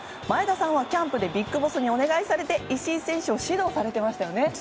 前田さんはキャンプでＢＩＧＢＯＳＳにお願いされて、石井選手を指導されていましたね。